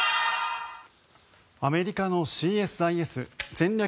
アメリカのＣＳＩＳ・戦略